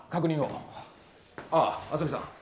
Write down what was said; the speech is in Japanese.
ああ浅見さん。